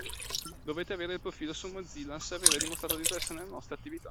Dovete avere il profilo su mozillians e aver dimostrato interesse nelle nostre attività.